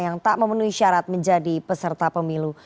yang tak memenuhi syarat menjadi peserta pemilu